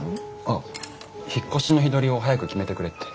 ああ引っ越しの日取りを早く決めてくれって。